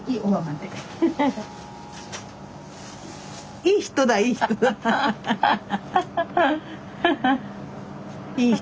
いい人だいい人だ。